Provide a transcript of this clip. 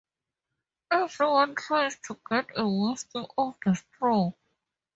Everyone tries to get a wisp of the straw.